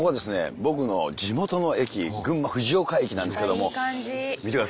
僕の地元の駅群馬藤岡駅なんですけども見てください！